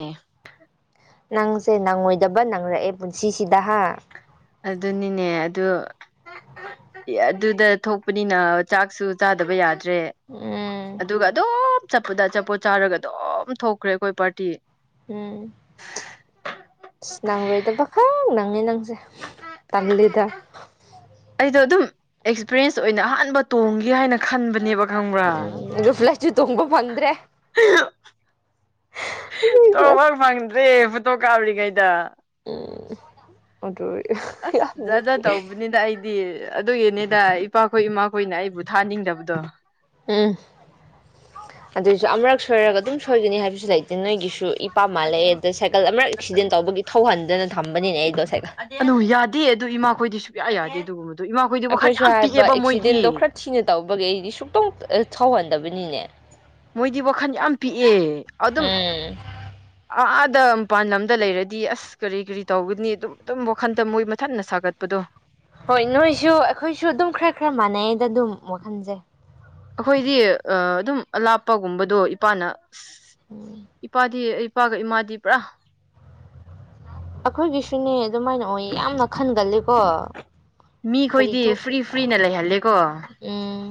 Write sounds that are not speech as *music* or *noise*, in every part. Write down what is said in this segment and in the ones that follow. ꯑꯦ ꯅꯪꯁꯦ ꯅꯪꯉꯣꯏꯗꯕ ꯅꯪꯔꯛꯑꯦ ꯄꯨꯟꯁꯤꯁꯤꯗ ꯑꯗꯨꯅꯤꯅꯦ ꯑꯗꯨ ꯑꯗꯨꯗ ꯊꯣꯛꯄꯅꯤꯅ ꯆꯥꯛꯁꯨ ꯆꯥꯗꯕ ꯌꯥꯗꯦ ꯇ꯭ꯔꯦ ꯎꯝ ꯑꯗꯨꯒ ꯑꯣꯝ ꯆꯠꯄꯗ ꯆꯠꯄꯣ ꯆꯥꯔꯒ ꯑꯗꯨꯝ ꯊꯣꯛꯈ꯭ꯔꯦ ꯑꯩꯈꯣꯏ ꯄꯥꯔꯇꯤ ꯎꯝ ꯅꯪꯔꯨꯏꯗꯕꯈꯪ ꯅꯪꯁꯦ ꯇꯥꯟꯂꯦꯗ ꯑꯩꯗꯣ ꯑꯗꯨꯝ ꯑꯦꯛꯁꯄꯤꯔꯌꯦꯟꯁ ꯑꯣꯏꯅ ꯑꯍꯥꯟꯕ ꯇꯣꯡꯒꯦ ꯍꯥꯏꯅ ꯈꯟꯕꯅꯦꯕ ꯈꯪꯕ꯭ꯔꯥ ꯑꯗꯨ ꯐ꯭ꯂꯁꯨ ꯇꯨꯝꯕ ꯐꯪꯗ꯭ꯔꯦ ꯑꯦ ꯐꯣꯇꯣ ꯀꯥꯞꯔꯤꯉꯩꯗ ꯎꯝ ꯑꯗꯨ ꯑꯁ ꯌꯥꯝꯅ ꯖꯥꯇꯖꯠ ꯇꯧꯕꯅꯤꯅ ꯑꯩꯗꯤ ꯑꯗꯨꯒꯤꯅꯦꯗ ꯏꯄꯥꯈꯣꯏ ꯏꯃꯥꯈꯣꯏꯅ ꯑꯩꯕꯨ ꯊꯥꯅꯤꯡꯗꯕꯗꯣ ꯎꯝ ꯑꯗꯨꯏꯁꯨ ꯑꯃꯨꯔꯛ ꯁꯣꯏꯔꯒ ꯑꯗꯨꯝ ꯁꯣꯏꯒꯅꯤ ꯍꯥꯏꯕꯁꯨ ꯂꯩꯇꯦ ꯅꯣꯏꯒꯤꯁꯨ ꯏꯄꯥꯝ ꯃꯥꯜꯂꯛꯑꯦ ꯑꯗꯣ ꯁꯥꯏꯀꯜ ꯑꯃꯔꯛ ꯑꯦꯛꯁꯤꯗꯦꯟ ꯇꯧꯕꯒꯤ ꯊꯧꯍꯟꯗꯅ ꯊꯝꯕꯅꯤꯅꯦ ꯑꯩꯗꯣ ꯁꯥꯏꯀꯜ ꯌꯥ ꯌꯥꯗꯦ ꯑꯗꯨꯒꯨꯝ ꯑꯩꯈꯣꯏꯁꯨ ꯍꯥꯏꯕ ꯑꯦꯛꯁꯤꯗꯦꯟꯗꯣ ꯈꯔ ꯊꯤꯅ ꯇꯧꯕꯒꯤ ꯑꯩꯗꯤ ꯁꯨꯛꯇꯧ ꯁꯧꯍꯟ ꯇꯕꯅꯤꯅꯦ ꯃꯣꯏꯗꯤ ꯋꯥꯈꯜ ꯌꯥꯝ ꯄꯤꯛꯑꯦ ꯑꯗꯨꯝ ꯎꯝ ꯑꯗ ꯃꯄꯥꯟ ꯂꯝꯗ ꯂꯩꯔꯗꯤ ꯑꯁ ꯀꯔꯤ ꯀꯔꯤ ꯇꯧꯒꯅꯤ ꯑꯗꯨꯝ ꯑꯗꯨꯝ ꯋꯥꯈꯟꯗ ꯃꯣꯏ ꯃꯊꯟꯅ ꯁꯥꯒꯠꯄꯗꯣ ꯍꯣꯏ ꯅꯣꯏꯁꯨ ꯑꯩꯈꯣꯏꯁꯨ ꯑꯗꯨꯝ ꯈꯔ ꯈꯔ ꯃꯥꯟꯅꯩꯗ ꯑꯗꯨꯝ ꯋꯥꯈꯟꯁꯦ ꯑꯩꯈꯣꯏꯗꯤ ꯑꯗꯨꯝ ꯑꯂꯥꯞꯄꯒꯨꯝꯕꯗꯣ ꯏꯄꯥꯅ ꯎꯝ ꯏꯄꯥ ꯑꯗꯤ ꯏꯄꯥꯒ ꯏꯃꯥꯗꯤ ꯄꯨꯔꯥ ꯑꯩꯈꯣꯏꯒꯤꯁꯅꯦ ꯑꯗꯨꯃꯥꯏꯅ ꯑꯣꯏ ꯌꯥꯝꯅ ꯈꯟꯒꯜꯂꯤꯀꯣ ꯀꯔꯤ ꯃꯤꯈꯣꯏꯗꯤ ꯐ꯭ꯔꯤ ꯊꯣꯛꯀꯦꯗ ꯐ꯭ꯔꯤꯅ ꯂꯩꯍꯜꯂꯦꯀꯣ ꯎꯝ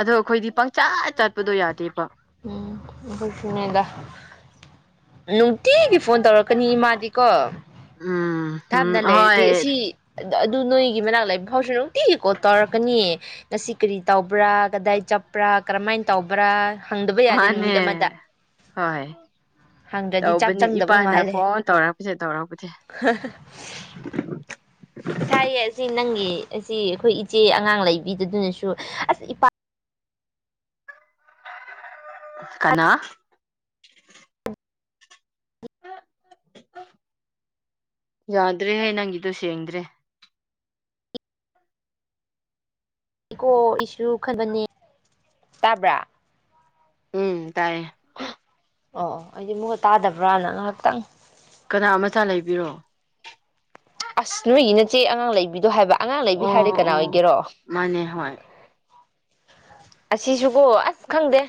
ꯑꯗꯣ ꯑꯩꯈꯣꯏꯗꯤ ꯄꯪꯆꯥꯥꯠ ꯆꯥꯠꯄꯗꯣ ꯌꯥꯗꯦꯕꯣ ꯎꯝ ꯀꯣꯏꯁꯨꯅꯦꯗ ꯅꯨꯡꯇꯤꯒꯤ ꯐꯣꯟ ꯇꯧꯔꯛꯀꯅꯤ ꯏꯃꯥꯗꯤꯀꯣ ꯎꯝ ꯊꯥꯞꯅ ꯎꯝ ꯂꯩꯔꯗꯤ ꯑꯁꯤ ꯍꯣꯏ ꯑꯗꯨ ꯅꯣꯏꯒꯤ ꯃꯅꯥꯛ ꯂꯩꯕ ꯐꯥꯎꯁꯨ ꯅꯨꯡꯇꯤꯒꯤꯀꯣ ꯇꯧꯔꯛꯀꯅꯤꯌꯦ ꯉꯁꯤ ꯀꯔꯤ ꯇꯧꯕ꯭ꯔꯥ ꯀꯗꯥꯏ ꯆꯠꯄ꯭ꯔꯥ ꯀꯔꯝꯍꯥꯏꯅ ꯇꯧꯕ꯭ꯔꯥ ꯍꯪꯗꯕ ꯌꯥꯗꯦ ꯃꯥꯅꯦ ꯅꯨꯃꯤꯠ ꯑꯃꯗ ꯍꯣꯏ ꯍꯪꯗ꯭ꯔꯗꯤ ꯆꯥꯛ ꯇꯧꯕꯅꯦ ꯆꯪꯗꯕ ꯏꯄꯥꯅ ꯃꯥꯜꯂꯦ ꯐꯣꯟ ꯇꯧꯔꯛꯄꯁꯦ ꯇꯧꯔꯛꯄꯁꯦ ꯁꯥꯏꯌꯦ ꯁꯤ ꯅꯪꯒꯤ ꯑꯁꯤ ꯑꯩꯈꯣꯏ ꯏꯆꯦ ꯑꯉꯥꯡ ꯂꯩꯕꯤꯗꯗꯨꯅꯁꯨ ꯑꯁ ꯏꯄꯥ ꯀꯅꯥ ꯌꯥꯗ꯭ꯔꯦꯍ ꯅꯪꯒꯤꯗꯣ ꯁꯦꯡꯗ꯭ꯔꯦ ꯏꯀꯣ ꯏꯁꯨ ꯈꯟꯕꯅꯤ ꯇꯥꯕ꯭ꯔꯥ ꯎꯝ ꯇꯥꯏꯌꯦ ꯑꯣ ꯑꯩꯗꯤ ꯃꯨꯛꯒ ꯇꯥꯗꯕ꯭ꯔꯥꯅ ꯉꯥꯏꯍꯥꯛꯇꯪ ꯀꯅꯥ ꯑꯃꯆꯥ ꯂꯩꯕꯤꯔꯣ ꯑꯁ ꯅꯣꯏꯒꯤ ꯅꯆꯦ ꯑꯉꯥꯡ ꯂꯩꯕꯤꯗꯣ ꯍꯥꯏꯕ ꯑꯉꯥꯡ ꯂꯩꯕꯤ ꯑꯣ ꯍꯥꯏꯔꯗꯤ ꯀꯅꯥ ꯑꯣ ꯑꯣꯏꯒꯦꯔꯣ ꯃꯥꯅꯦ ꯍꯣꯏ ꯑꯁꯤꯁꯨꯀꯣ ꯑꯁ ꯈꯪꯗꯦ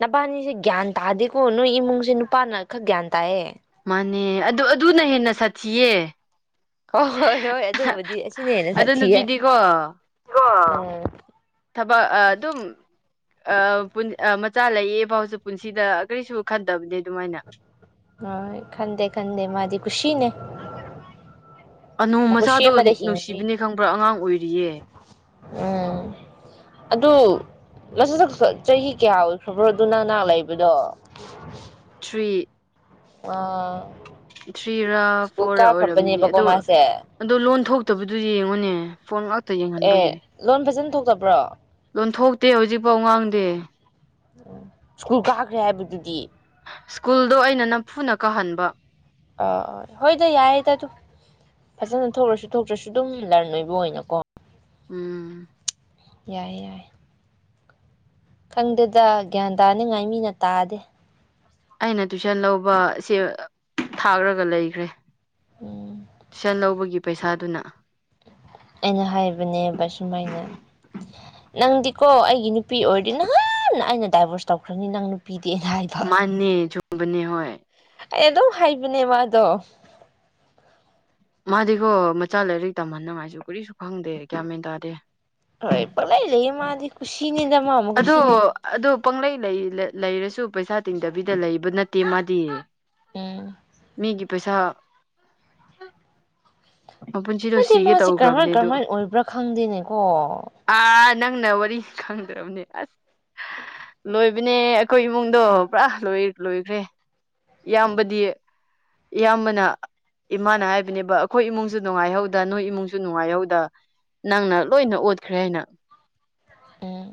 ꯅꯄꯥꯅꯤꯁꯦ ꯒ꯭ꯌꯥꯟ ꯇꯥꯗꯦꯀꯣ ꯅꯣꯏ ꯏꯃꯨꯡꯁꯦ ꯅꯨꯄꯥꯅ ꯈꯛ ꯒ꯭ꯌꯥꯟ ꯇꯥꯏꯑꯌꯦ ꯃꯥꯅꯦ ꯑꯗꯨ ꯑꯗꯨꯅ ꯍꯦꯟꯅ ꯁꯥꯊꯤꯌꯦ ꯍꯣꯏ ꯍꯣꯏ ꯍꯣꯏ ꯑꯗꯨꯕꯨꯗꯤ ꯑꯁꯤꯅ ꯍꯦꯟꯅ ꯑꯗꯨ ꯁꯥꯊꯤ ꯌꯥꯏ *inaudible* ꯅꯨꯄꯤꯗꯤꯀꯣ ꯊꯕꯛ ꯑꯗꯨꯝ ꯑ ꯃꯆꯥ ꯂꯩꯌꯦ ꯐꯥꯎꯁꯨ ꯄꯨꯟꯁꯤꯗ ꯀꯔꯤꯁꯨ ꯈꯟꯗꯕꯅꯦ ꯑꯗꯨꯃꯥꯏꯅ ꯑ ꯈꯪꯗ ꯈꯗ ꯃꯥꯗꯤ ꯈꯁꯤꯤꯅꯦ ꯑꯅꯨ ꯃꯆꯥꯗꯣ ꯅꯨꯡꯁꯤꯕꯅꯦ ꯈꯪꯕ꯭ꯔꯥ ꯑꯉꯥꯡ ꯑꯣꯏꯔꯤꯌꯦ ꯂꯁꯨꯗ ꯆꯍꯤ ꯀꯌꯥ ꯑꯣꯏꯈ꯭ꯔꯕ꯭ꯔꯣ ꯑꯗꯨ ꯅꯪꯍ ꯂꯩꯕꯗꯣ ꯊ꯭ꯔꯤ ꯑꯥ ꯊ꯭ꯔꯤꯔꯥ ꯐꯣꯔꯔ ꯑꯣꯏꯔꯝꯝꯕꯅꯤ ꯑꯗꯣ ꯃꯥꯁꯦ ꯑꯗꯣ ꯂꯣꯟ ꯊꯣꯛꯇꯕꯗꯨ ꯌꯦꯡꯉꯨꯅꯦ ꯐꯣꯟ ꯑꯦ ꯌꯦꯡꯍꯟꯕꯒꯤ ꯂꯣꯟ ꯐꯖꯅ ꯊꯣꯛ ꯆꯕ꯭ꯔꯣ ꯀꯣꯟ ꯊꯣꯛꯇꯦ ꯍꯧꯖꯤꯛꯐꯥꯎ ꯉꯥꯡꯗꯦ ꯁ꯭ꯀꯨꯜ ꯀꯥꯈ꯭ꯔꯦ ꯍꯥꯏꯕꯗꯨꯗꯤ ꯁ꯭ꯀꯨꯜꯗꯣ ꯑꯩꯅ ꯅꯝꯐꯨꯅ ꯀꯥꯍꯟꯕ ꯑ ꯍꯣꯏꯗ ꯌꯥꯏꯌꯦꯗ ꯑꯗꯨ ꯐꯖꯅ ꯊꯣꯛꯂꯁꯨ ꯊꯣꯛꯇ꯭ꯔꯁꯨ ꯑꯗꯨꯝ ꯂꯔꯟ ꯑꯣꯏꯕ ꯑꯣꯏꯅꯀꯣ ꯎꯝ ꯌꯥꯏ ꯌꯥꯏ ꯈꯪꯗꯦꯗ ꯒ꯭ꯌꯥꯟ ꯇꯥꯅꯤꯡꯉꯥꯏ ꯃꯤꯅ ꯇꯥꯗꯦ ꯑꯩꯅ ꯇꯨꯏꯁꯟ ꯂꯧꯕ ꯁꯦ ꯊꯥꯈ꯭ꯔꯒ ꯂꯩꯈ꯭ꯔꯦ ꯎꯝ ꯇꯨꯁꯟ ꯂꯧꯕꯒꯤ ꯄꯩꯁꯥꯗꯨꯅ ꯑꯩꯅ ꯍꯥꯏꯕꯅꯦꯕ ꯁꯨꯃꯥꯏꯅ ꯅꯪꯗꯤꯀꯣ ꯑꯩꯒꯤ ꯅꯨꯄꯤ ꯑꯣꯏꯔ ꯅꯍꯥꯟ ꯑꯩꯅ ꯗꯥꯏꯚꯣꯔꯁ ꯇꯧꯈ꯭ꯔꯅꯤ ꯅꯪ ꯅꯨꯄꯤ ꯄꯤꯗꯦꯅ ꯍꯥꯏꯕ ꯕꯅꯤ ꯍꯣꯏ ꯑꯩ ꯑꯗꯨꯝ ꯍꯥꯏꯕꯅꯦ ꯃꯥꯗꯣ ꯑꯗꯨꯗꯤꯈꯣ ꯃꯆꯥ ꯂꯥꯏꯔꯤꯛ ꯇꯝꯍꯟꯅꯅꯤꯡꯉꯥꯏꯁꯨ ꯀꯨꯔꯤꯁꯨ ꯈꯪꯗꯦ ꯀꯌꯥꯃꯦꯟ ꯇꯥꯗꯦ ꯍꯣꯏ ꯄꯪꯂꯩ ꯂꯩꯌꯦ ꯃꯥꯗꯤ ꯀꯨꯁꯤꯅꯤꯗ ꯃꯥ ꯑꯃ ꯑꯗ ꯀꯨꯁꯤꯅꯤ ꯑꯗꯨ ꯄꯪꯂꯩ ꯂꯩ ꯂꯩꯔꯁꯨ ꯄꯩꯁꯥ ꯇꯤꯡꯗꯕꯤꯗ ꯂꯩꯕ ꯅꯠꯇꯦ ꯃꯥꯗꯤ ꯎꯝ ꯃꯤꯒꯤ ꯄꯩꯁꯥ ꯃꯄꯨꯟꯁꯤꯗꯣ ꯍꯥꯏꯗꯤ ꯁꯤꯒꯦ ꯃꯥꯁꯦ ꯀꯔꯃꯍꯥꯏ ꯇꯧꯈ꯭ꯔꯕꯅꯦ ꯑꯗꯨ ꯀꯔꯃꯥꯏꯅ ꯑꯣꯏꯕ꯭ꯔꯥ ꯈꯪꯗꯦꯅꯦꯀꯣ ꯑꯥ ꯅꯪꯅ ꯋꯥꯔꯤ ꯈꯪꯗ꯭ꯔꯕꯅꯦ ꯑꯁ ꯂꯣꯏꯕꯅꯦ ꯑꯩꯈꯣꯏ ꯏꯃꯨꯡꯗꯣ ꯄꯨꯔꯥ ꯂꯣꯏꯈ꯭ꯔꯦ ꯎꯝ ꯌꯥꯝꯕꯗꯤ ꯏꯌꯥꯝꯕꯅ ꯏꯃꯥꯅ ꯍꯥꯏꯕꯅꯦꯕ ꯑꯩꯈꯣꯏ ꯏꯃꯨꯡꯁꯨ ꯅꯨꯡꯉꯥꯏꯍꯧꯗ ꯅꯣꯏ ꯏꯃꯨꯡꯁꯨ ꯅꯨꯡꯉꯥꯏꯍꯧꯗ ꯅꯪꯅ ꯂꯣꯏꯅ ꯑꯣꯠꯈ꯭ꯔꯦ ꯍꯥꯏꯅ ꯎꯝ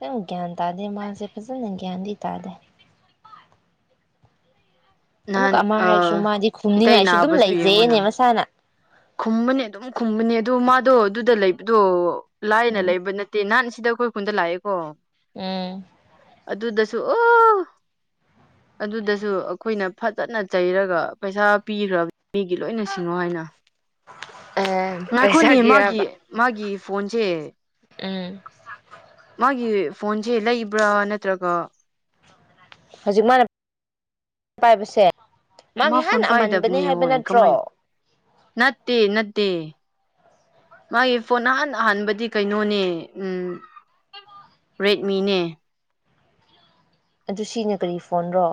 ꯌꯥꯝ ꯒ꯭ꯌꯥꯟ ꯇꯥꯗꯦ ꯃꯥꯁꯦ ꯐꯖꯅ ꯒ꯭ꯌꯥꯟꯗꯤ ꯇꯥꯗꯦ ꯅꯍꯥꯟ ꯑꯃꯨꯛꯀ ꯑꯃ ꯑ ꯍꯥꯏꯁꯨ ꯃꯥꯗꯤ ꯏꯇꯩ ꯈꯨꯝꯅꯤꯡꯉꯥꯏꯁꯨ ꯑꯗꯨꯝ ꯅꯥꯕꯁꯨ ꯂꯩꯖꯩꯅꯦ ꯌꯦꯡꯉꯨꯅ ꯃꯁꯥꯅ ꯈꯨꯝꯕꯅꯦ ꯑꯗꯨꯝ ꯈꯨꯝꯕꯅꯦ ꯑꯗꯨ ꯃꯥꯗꯣ ꯑꯗꯨꯗ ꯂꯩꯕꯗꯣ ꯂꯥꯏꯅ ꯎꯝ ꯂꯩꯕ ꯅꯠꯇꯦ ꯅꯍꯥꯟ ꯁꯤꯗꯣꯏ ꯀꯨꯟ ꯂꯥꯏꯑꯑꯣ ꯑꯣ ꯎꯝ ꯑꯗꯨꯗ ꯁꯨ ꯑꯣ ꯑꯗꯨꯗꯁꯨ ꯑꯩꯈꯣꯏꯅ ꯐꯖꯅ ꯆꯩꯔꯒ ꯄꯩꯁꯥ ꯄꯤꯈ꯭ꯔꯕꯅꯤ ꯃꯤꯒꯤ ꯂꯣꯏꯅ ꯁꯤꯡꯉꯣ ꯍꯥꯏꯅ ꯑꯦ ꯉꯥꯏ ꯑꯩꯈꯣꯏꯅꯤ ꯃꯥꯒꯤ ꯄꯩꯁꯥꯒꯤꯔꯕ ꯃꯥꯒꯤ ꯐꯣꯟꯁꯦ ꯎꯝ ꯃꯥꯒꯤꯦ ꯐꯣꯟꯁꯦ ꯂꯩꯕ꯭ꯔꯥ ꯅꯠꯇ꯭ꯔꯒ ꯍꯧꯖꯤꯛ ꯃꯥꯅ ꯄꯥꯏꯕꯁꯦ ꯃꯥ ꯃꯥꯒꯤ ꯐꯣꯟ ꯍꯥꯟꯅ ꯑꯃꯟꯕꯅꯦ ꯄꯥꯏꯗꯕꯅꯦ ꯍꯥꯏꯕ ꯍꯣꯏ ꯀꯃꯥꯏꯅ ꯅꯠꯇ꯭ꯔꯣ ꯅꯠꯇꯦ ꯅꯠꯇꯦ ꯃꯥꯒꯤ ꯐꯣꯟ ꯅꯍꯥꯟ ꯑꯍꯥꯟꯕꯗꯤ ꯀꯩꯅꯣꯅꯦ ꯎꯝ ꯔꯦꯗꯃꯤꯅꯦ ꯑꯗꯨ ꯁꯤꯅ ꯀꯔꯤ ꯐꯣꯟꯔꯣ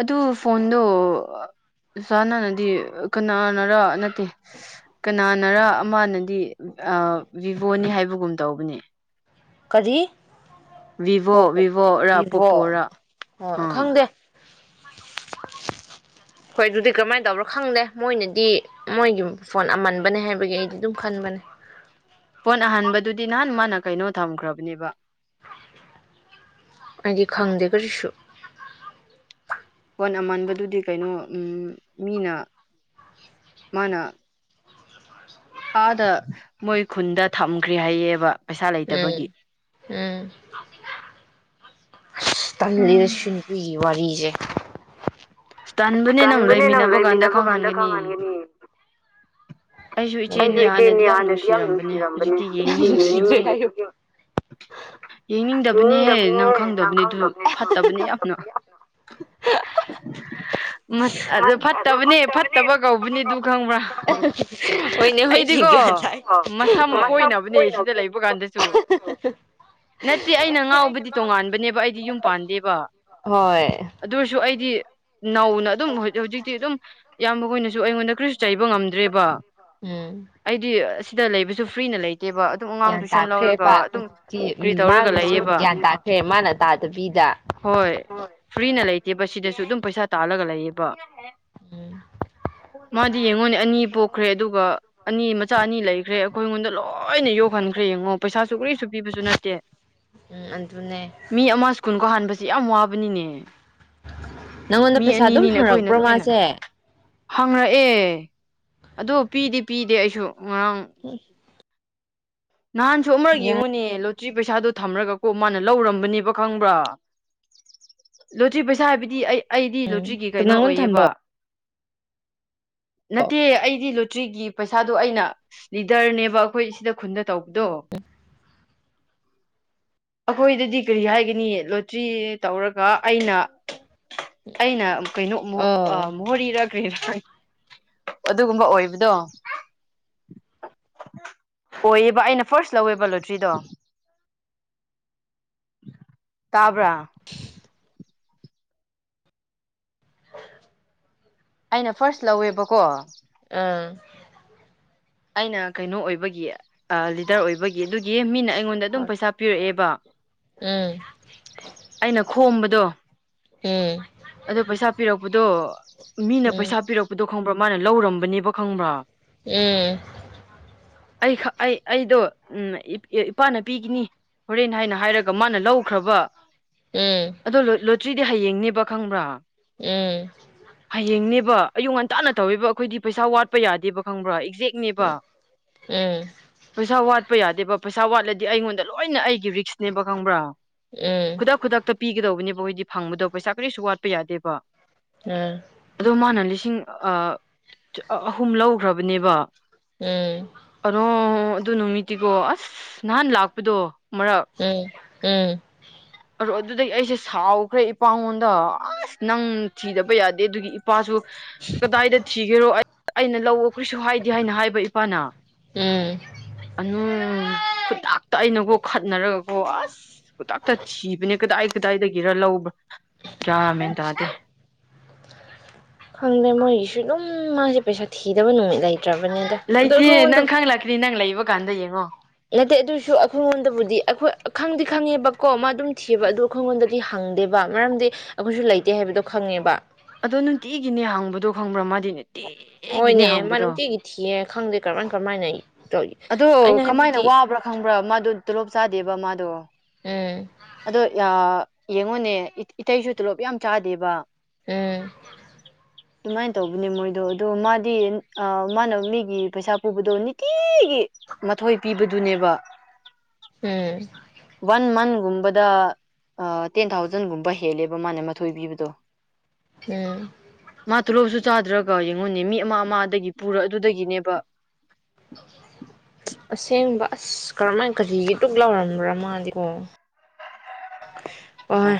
ꯑꯗꯨ ꯐꯣꯟꯗꯣ ꯆꯥꯅꯅꯗꯤ ꯀꯅꯥꯅꯔ ꯅꯠꯇꯦ ꯀꯅꯥꯅꯔ ꯑꯃꯅꯗꯤ ꯚꯤꯚꯣꯅꯤ ꯍꯥꯏꯕꯒꯨꯝ ꯇꯧꯕꯅꯦ ꯀꯔꯤ ꯚꯣ ꯄꯣꯀꯣ ꯚꯣ ꯚꯤꯚꯣ ꯔꯄꯣꯄꯣꯔꯥ ꯍꯣꯏ ꯑꯥ ꯈꯪꯗꯦ ꯍꯣꯏ ꯑꯗꯨꯗꯤ ꯀꯃꯥꯏꯅ ꯇꯧꯕ꯭ꯔꯣ ꯈꯪꯗꯦ ꯃꯣꯏꯅꯗꯤ ꯃꯣꯏꯒꯤ ꯐꯣꯟ ꯑꯃꯟꯕꯅꯦ ꯍꯥꯏꯕꯒꯤ ꯑꯩꯗꯤ ꯑꯗꯨꯝ ꯈꯟꯕꯅꯦ ꯄꯣꯟꯠ ꯑꯍꯟꯥꯟꯕꯗꯨꯗꯤ ꯅꯍꯥꯟ ꯃꯥꯅ ꯀꯩꯅꯣ ꯊꯝꯈ꯭ꯔꯕꯅꯦꯕ ꯍꯥꯏꯗꯤ ꯈꯪꯗꯦ ꯀꯔꯤꯁꯨ ꯄꯣꯟ ꯑꯃꯥꯟꯕꯗꯨꯗꯤ ꯀꯩꯅꯣ ꯃꯤꯅ ꯃꯥꯅ ꯑꯥꯗ ꯃꯣꯏ ꯈꯨꯟꯗ ꯊꯝꯈ꯭ꯔꯦ ꯍꯥꯏꯌꯦꯕ ꯄꯩꯁꯥ ꯎꯝ ꯂꯩꯇꯕꯒꯤ ꯎꯝ ꯇ ꯂꯩꯗꯁꯤꯟꯄꯤ ꯋꯥꯔꯤꯔꯤꯁꯦ ꯇꯟꯕꯅꯦ ꯅꯪ ꯂꯩꯃꯤꯟꯅꯕ ꯀꯥꯟꯗ ꯈꯪꯍꯟꯒꯅꯤ ꯑꯩꯁꯨ ꯏꯆꯦꯅꯦ ꯍꯥꯟꯅꯗꯤ ꯌꯥꯝ ꯅꯨꯡꯁꯤꯔꯝꯕꯅꯦ ꯍꯧꯖꯤꯛꯇꯤ ꯌꯦꯡꯅꯤꯡꯗ꯭ꯔꯦ ꯁꯨꯡ ꯌꯦꯡꯅꯤꯡꯗꯕꯅꯦꯍꯦ ꯅꯪ ꯈꯪꯗꯕꯅꯦ ꯑꯗꯨ ꯐꯠꯇꯕꯅꯦ ꯌꯥꯝꯅ ꯑꯗꯨ ꯐꯠꯇꯕꯅꯦ ꯐꯠꯇꯕ ꯀꯧꯕꯅꯦ ꯑꯗꯨ ꯈꯪꯕ꯭ꯔꯥ ꯍꯅꯦ ꯍꯒꯥꯏ ꯑꯩꯗꯤꯀꯣ ꯃꯁꯝ ꯐꯣꯏꯅꯕꯅꯦ ꯁꯤꯗ ꯂꯩꯕ ꯀꯥꯟꯗꯁꯨ ꯅꯠꯇꯦ ꯑꯩꯅ ꯉꯥꯎꯕꯗꯤ ꯇꯣꯉꯥꯟꯕꯅꯦꯕ ꯑꯩꯗꯤ ꯌꯨꯝ ꯄꯥꯟꯗꯦꯕ ꯍꯣꯏ ꯑꯗꯨ ꯑꯣꯏꯔꯁꯨ ꯑꯩꯗꯤ ꯅꯧꯅ ꯑꯗꯨꯝ ꯍꯧꯖꯤꯛꯇꯤ ꯑꯗꯨꯝ ꯏꯌꯥꯝꯕꯅꯁꯨ ꯑꯩꯉꯣꯟꯗ ꯀ꯭ꯔꯤꯁꯨ ꯆꯩꯕ ꯉꯝꯗ꯭ꯔꯦꯕ ꯎꯝ ꯑꯩꯗꯤ ꯑꯁꯤꯗ ꯂꯩꯕꯁꯨ ꯐ꯭ꯔꯤꯅ ꯂꯩꯇꯦꯕ ꯑꯗꯨꯝ ꯑꯉꯥꯡ ꯒ꯭ꯌꯥꯟ ꯇꯨꯏꯁꯟ ꯂꯧꯔꯒ ꯇꯥꯈ꯭ꯔꯦꯕ ꯑꯗꯨꯝ ꯍꯧꯖꯤꯛꯇꯤ ꯀꯔꯤ ꯎꯝ ꯇꯧꯔꯒ ꯃꯥꯡꯅꯁꯨ ꯂꯩꯑꯕ ꯒ꯭ꯌꯥꯟ ꯇꯥꯈ꯭ꯔꯦ ꯃꯥꯅ ꯇꯥꯗꯕꯤꯗ ꯍꯣꯏ ꯐ꯭ꯔꯤꯅ ꯂꯩꯇꯦꯕ ꯁꯤꯗꯁꯨ ꯑꯗꯨꯝ ꯄꯩꯁꯥ ꯇꯥꯜꯂꯒ ꯂꯩꯑꯕ ꯕꯥ ꯎꯝ ꯃꯥꯗꯤ ꯌꯦꯡꯉꯣꯅꯦ ꯑꯅꯤ ꯄꯣꯛꯈ꯭ꯔꯦ ꯑꯗꯨꯒ ꯑꯗꯨꯒ ꯑꯅꯤ ꯃꯆꯥ ꯑꯅꯤ ꯂꯩꯈ꯭ꯔꯦ ꯑꯩꯈꯣꯏ ꯑꯩꯉꯣꯟꯗ ꯂꯣꯏꯅ ꯌꯣꯛꯍꯟꯈ꯭ꯔꯦ ꯌꯦꯡꯉꯣ ꯄꯩꯁꯥꯁꯨ ꯀꯔꯤꯁꯨ ꯄꯤꯕꯁꯨ ꯅꯠꯇꯦ ꯎꯝ ꯑꯗꯨꯅꯦ ꯃꯤ ꯑꯃ ꯁ꯭ꯀꯨꯜꯒ ꯍꯥꯟꯕꯁ ꯌꯥꯝ ꯋꯥꯕꯅꯤꯅꯦ ꯅꯪꯉꯣꯟꯗ ꯃꯤ ꯄꯩꯁꯥ ꯑꯗꯨꯝ ꯑꯅꯤꯅꯤꯅꯦ ꯑꯩꯈꯣꯏꯅ ꯍꯪꯔꯛꯄ꯭ꯔꯣ ꯂꯣꯏꯅ ꯃꯥꯁꯦ ꯍꯪꯔꯛꯑꯦ ꯑꯗꯣ ꯄꯤꯗꯤ ꯄꯤꯗꯦ ꯑꯩꯁꯨ ꯉꯔꯥꯡ ꯎ ꯅꯍꯥꯟꯁꯨ ꯑꯃꯔ ꯌꯦꯡꯉꯨꯅꯦ ꯂꯣꯇ꯭ꯔꯤ ꯄꯩꯁꯥꯗꯣ ꯊꯝꯔꯒꯀꯣ ꯃꯥꯅ ꯂꯧꯔꯝꯕꯅꯦꯕ ꯈꯪꯕ꯭ꯔꯥ ꯂꯣꯇ꯭ꯔꯤ ꯄꯩꯁꯥ ꯍꯥꯏꯕꯗꯤ ꯑꯩ ꯑꯩꯗꯤ ꯂꯣꯇ꯭ꯔꯤꯒꯤ ꯀꯩꯅꯣ ꯅꯪꯉꯣꯟꯗ ꯑꯣꯏꯌꯦꯕ ꯊꯝꯕ꯭ꯔꯣ ꯅꯠꯇꯦ ꯑꯩꯗꯤ ꯂꯨ ꯭ꯔꯤꯒꯤ ꯄꯩꯁꯥꯗꯣ ꯑꯩꯅ ꯂꯤꯗꯔꯅꯦꯕ ꯑꯩꯈꯣꯏ ꯁꯤꯗ ꯈꯨꯟꯗ ꯗꯣ ꯑꯩꯈꯣꯏꯗꯗꯤ ꯀꯔꯤ ꯍꯥꯏꯒꯅꯤ ꯂꯣꯇ꯭ꯔꯤ ꯇꯧꯔꯒ ꯑꯩꯅ ꯑꯩꯅ ꯀꯩꯅꯣ ꯑꯣ ꯃꯣꯔꯔꯤꯔ ꯑꯗꯨꯒꯨꯝꯕ ꯑꯣꯏꯕꯗꯣ ꯑꯣꯏꯌꯦꯕ ꯑꯩꯅ ꯐꯥꯔꯁ ꯂꯧꯋꯦꯕ ꯂꯣꯇ꯭ꯔꯤꯗꯣ ꯇꯥꯕ꯭ꯔꯥ ꯑꯩꯅ ꯐꯥꯔꯁ ꯂꯧꯋꯦꯕꯀꯣ ꯑꯥ ꯑꯩꯅ ꯀꯩꯅꯣ ꯑꯣꯏꯕꯒꯤ ꯑ ꯂꯤꯗꯔ ꯑꯣꯏꯕꯒꯤ ꯑꯗꯨꯒꯤ ꯃꯤꯅ ꯑꯩꯉꯣꯟꯗ ꯑꯗꯨꯝ ꯄꯩꯁꯥ ꯄꯤꯔꯛꯑꯦꯕꯥ ꯎꯡ ꯈꯣꯝꯕꯗ‌ꯣ ꯑꯗꯣ ꯄꯩꯁꯥ ꯄꯤꯔꯛꯄꯗ‌ꯣ ꯃꯤꯅꯥ ꯎꯝ ꯄꯩꯁꯥ ꯄꯤꯔꯛꯄꯗꯣ ꯈꯪꯕ꯭ꯔꯥ ꯃꯥꯅ ꯂꯧꯔꯝꯕꯅꯦꯕ ꯈꯪꯕ꯭ꯔꯥ ꯑꯦ ꯑꯩ ꯑꯩ ꯑꯩꯗꯣ ꯎ ꯏꯄꯥꯅꯄꯤꯒꯤꯅꯤ ꯍꯣꯔꯦꯟ ꯍꯥꯏꯅ ꯍꯥꯏꯔꯒ ꯃꯥꯅ ꯂꯧꯈ꯭ꯔꯕ ꯎꯝ ꯑꯗꯣ ꯂꯣꯇ꯭ꯔꯤꯗꯤ ꯍꯌꯦꯡꯅꯤ ꯄ ꯈꯪꯕ꯭ꯔꯥ ꯎꯝ ꯍꯌꯦꯡꯅꯦꯕ ꯑꯌꯨꯛ ꯉꯟ ꯅꯥꯟꯅ ꯇꯧꯋꯦꯕ ꯑꯩꯈꯣꯏꯗꯤ ꯄꯩꯁꯥ ꯋꯥꯠꯄ ꯌꯥꯗꯦꯕ ꯈꯪꯕ꯭ꯔꯥ ꯦꯛꯅꯦꯕ ꯎꯝ ꯎꯝ ꯄꯩꯁꯥ ꯋꯥꯠ ꯆꯠꯄ ꯌꯥꯗꯦꯕ ꯄꯩꯁꯥ ꯋꯥꯠꯂꯗꯤ ꯑꯩꯉꯣꯟꯗ ꯂꯣꯏꯅ ꯑꯩꯒꯤ ꯔꯤꯛꯁꯅꯦꯕ ꯈꯪꯕ꯭ꯔꯥ ꯎꯝ ꯈꯨꯗꯛ ꯈꯨꯗꯛꯇ ꯄꯤꯒꯗꯧꯕꯅꯦ ꯃꯣꯏꯗꯤ ꯐꯪꯕꯗꯣ ꯄꯩꯁꯥ ꯀꯔꯤꯁꯨ ꯋꯥꯠꯄ ꯌꯥꯗꯦꯕ ꯑ ꯑꯗꯨ ꯃꯥꯅ ꯂꯤꯁꯤꯡ ꯂꯤꯁꯤꯡ ꯑꯍꯨꯝ ꯂꯧꯈ꯭ꯔꯕꯅꯦꯕ ꯑꯣ ꯎꯝ ꯑꯗꯨ ꯑꯗꯨ ꯅꯨꯃꯤ ꯇꯤꯒꯣ ꯑꯁ ꯅꯍꯥꯟ ꯂꯥꯛꯄꯗꯣ ꯃꯔꯛ ꯎꯡ ꯎꯡ ꯑꯗꯨꯗꯒꯤ ꯑꯩꯁꯦ ꯁꯥꯎꯈ꯭ꯔꯦ ꯏꯄꯥꯉꯣꯟꯗ ꯑꯁ ꯅꯪ ꯊꯤꯗꯕ ꯌꯥꯗꯦ ꯑꯗꯨꯒꯤ ꯏꯄꯥꯁꯨ ꯀꯗꯥꯏꯗ ꯊꯤꯒꯦꯔꯣ ꯑꯩꯅ ꯂꯧꯋ‌ꯣ ꯀꯔꯤꯁꯨ ꯍꯥꯏꯗꯦ ꯍꯥꯏꯅ ꯍꯥꯏꯕ ꯏꯄꯥꯅ ꯎꯝ ꯈꯨꯗꯛ ꯇ ꯑꯩꯅꯕꯨꯣ ꯈꯠꯅꯔꯒꯀꯣ ꯑꯁꯇ ꯏꯕꯅꯦ ꯀꯗꯥꯏ ꯀꯗꯥꯏꯗꯒꯤꯔ ꯂꯧꯕ꯭ꯔꯥ ꯌꯥ ꯃꯦꯟ ꯇꯗꯦ ꯈꯪꯗꯦ ꯃꯣꯏꯁꯨ ꯑꯗꯨꯝ ꯃꯥꯁꯦ ꯄꯩꯁꯥ ꯊꯤꯗꯕ ꯅꯨꯃꯤꯠ ꯂꯩꯇ꯭ꯔꯕꯅꯦꯗ ꯑꯗꯣ ꯂꯩꯇꯦ ꯑꯩꯈꯣꯏꯉꯣꯟꯗ ꯅꯪ ꯈꯪꯂꯪꯂꯛꯀꯅꯤ ꯅꯪ ꯂꯩꯕ ꯀꯥꯟꯗ ꯌꯦꯡꯉꯣ ꯅꯠꯇꯦ ꯑꯗ‌ꯣꯏꯁꯨ ꯑꯩꯈꯣꯏꯉꯣꯟꯗꯕꯨꯗꯤ ꯑꯩꯈꯣꯏ ꯈꯪꯗꯤ ꯈꯪꯉꯦꯕꯀꯣ ꯃꯥ ꯑꯗꯨꯝ ꯊꯤꯌ‌ꯦꯕ ꯑꯗꯨ ꯑꯩꯈꯣꯏꯉꯣꯟꯗꯗꯤ ꯍꯪꯗꯦꯕ ꯃꯔꯝꯗꯤ ꯑꯩꯈꯣꯏꯁꯨ ꯂꯩꯇꯦ ꯍꯥꯏꯕꯗꯣ ꯈꯪꯉꯦꯕ ꯑꯗꯣ ꯅꯨꯡꯇꯤꯒꯤꯅꯦ ꯍꯥꯡꯕꯗꯣ ꯈꯪꯕ꯭ꯔꯥ ꯃꯥꯗꯤꯅꯦ ꯍꯣꯏꯅꯦ ꯃꯥ ꯅꯨꯡꯇꯤꯒꯤ ꯊꯤꯌꯦꯦ ꯈꯪꯗꯦ ꯀꯔꯃꯥꯏ ꯀꯔꯝꯃꯥꯏꯅ ꯑꯗꯣ ꯀꯃꯥꯏꯅ ꯋꯥꯕ꯭ꯔꯥ ꯈꯪꯕ꯭ꯔꯥ ꯃꯥꯗꯨ ꯇꯣꯂꯞ ꯆꯥꯗꯦꯕ ꯃꯥꯗꯣ ꯎꯝ ꯑꯗꯣ ꯌꯥ ꯌꯦꯡꯉꯨꯅꯦ ꯏꯇꯩꯁꯨ ꯇꯣꯂꯣꯞ ꯌꯥꯝ ꯆꯥꯗꯦꯕ ꯍꯝ ꯑꯗꯨꯃꯥꯏꯅ ꯇꯧꯕꯅꯦ ꯃꯣꯏꯗꯣ ꯑꯣ ꯃꯥꯗꯤ ꯑ ꯃꯥꯅ ꯃꯤꯒꯤ ꯄꯩꯁꯥ ꯄꯨꯕꯗꯣ ꯅꯤꯇꯤ ꯃꯊꯣꯏ ꯄꯤꯕꯗꯨꯅꯦꯕ ꯎꯝ ꯋꯥꯟ ꯃꯟ ꯨꯝꯕꯗ ꯇꯦꯟ ꯊꯥꯎꯖꯟꯒꯨꯝꯕ ꯍꯦꯜꯂꯦꯕ ꯃꯥꯅꯦ ꯃꯊꯣꯏ ꯄꯤꯕꯗꯣ ꯎꯝ ꯃꯥꯊ ꯂꯧꯣ ꯁ ꯆꯥꯗꯔꯒ ꯑꯩꯉꯣꯟꯅꯦ ꯃꯤ ꯑꯃ ꯑꯃꯗꯒꯤ ꯄꯨꯔ ꯑꯗꯨꯗꯒꯤꯅꯦꯕ ꯑꯁꯦꯡꯕ ꯑꯁ ꯀꯔꯝꯍꯥꯏꯅ ꯀꯔꯤꯒꯤꯗꯨꯛ ꯂꯥꯎꯔꯝꯕ꯭ꯔꯥ ꯃꯥꯗꯤꯀꯣ ꯑꯣ